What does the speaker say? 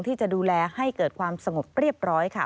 ที่จะดูแลให้เกิดความสงบเรียบร้อยค่ะ